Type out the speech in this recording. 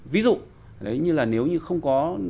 ví dụ như là nếu như không có